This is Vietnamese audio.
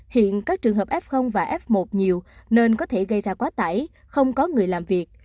hiện các trường hợp f và f một nhiều nên có thể gây ra quá tải không có người làm việc